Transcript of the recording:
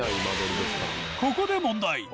ここで問題！